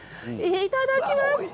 いただきます。